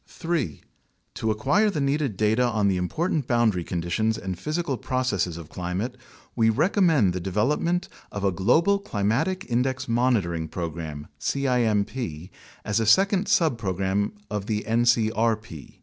3. To acquire the needed data on the important boundary conditions and physical processes of climate, we recommend the development of a global Climatic Index Monitoring Program (cimp) as a second subpro gram of the ncrp.